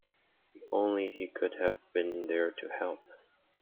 If only he could have been there to help.